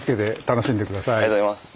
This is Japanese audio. ありがとうございます。